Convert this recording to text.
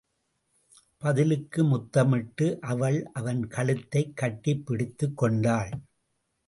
பதிலுக்கு முத்தமிட்டு அவள், அவன் கழுத்தைக் கட்டிப் பிடித்துக் கொண்டாள்.